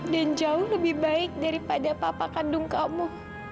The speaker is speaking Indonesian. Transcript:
dan jauh lebih baik daripada papa kandung kamu